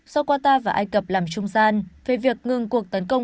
do qatar và ai cập làm trung gian về việc ngừng cuộc tấn công